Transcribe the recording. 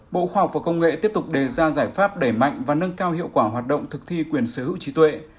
bộ khoa học và công nghệ tiếp tục đề ra giải pháp đẩy mạnh và nâng cao hiệu quả hoạt động thực thi quyền sở hữu trí tuệ